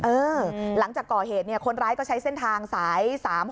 เออหลังจากก่อเหตุคนร้ายก็ใช้เส้นทางสาย๓๖๖